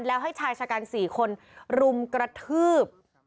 แล้วให้ชายชะกัน๔คนรุมกระทืบ